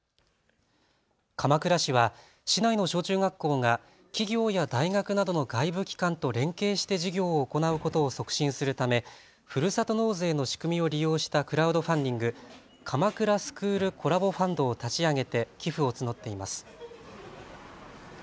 鎌倉市は市内の小中学校が企業や大学などの外部機関と連携して授業を行うことを促進するためふるさと納税の仕組みを利用したクラウドファンディング、鎌倉スクールコラボファンドを立ち上げて寄付を募っています。